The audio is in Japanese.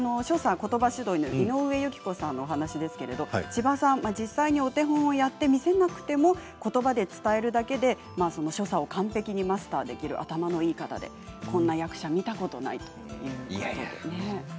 ことば指導の井上裕季子さんの話ですが千葉さん、実際にお手本をやって見せなくてもことばで伝えるだけで所作を完璧にマスターできる頭のいい方でこんな役者見たことないということでした。